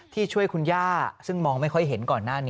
ช่วยคุณย่าซึ่งมองไม่ค่อยเห็นก่อนหน้านี้